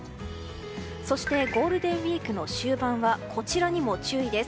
そしてゴールデンウィーク終盤はこちらにも注意です。